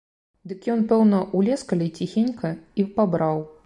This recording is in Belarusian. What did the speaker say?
Дык ён, пэўна, узлез калі ціхенька і пабраў.